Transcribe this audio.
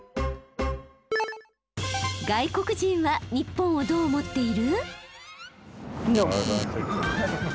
外国人は日本をどう思っている？